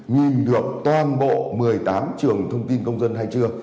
nhìn được toàn bộ một mươi tám trường thông tin công dân hay chưa